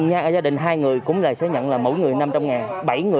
gia đình hai người cũng sẽ nhận là mỗi người năm trăm linh ngàn